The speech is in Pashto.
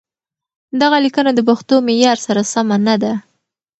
دغه ليکنه د پښتو معيار سره سمه نه ده.